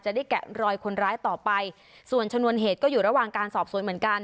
ได้แกะรอยคนร้ายต่อไปส่วนชนวนเหตุก็อยู่ระหว่างการสอบสวนเหมือนกัน